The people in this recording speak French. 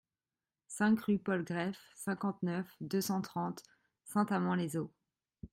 cinq rue Paul Greffe, cinquante-neuf, deux cent trente, Saint-Amand-les-Eaux